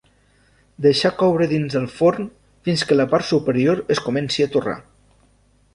Deixar coure dins del forn fins que la part superior es comenci a torrar.